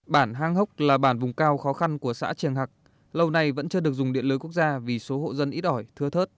bản hàng hốc là bản vùng cao khó khăn của xã triềng hạc lâu nay vẫn chưa được dùng điện lưới quốc gia vì số hộ dân ít ỏi thưa thớt